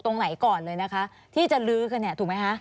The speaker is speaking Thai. ตรงไหนก่อนเลยนะคะที่จะลื้อกันเนี่ยถูกไหมคะ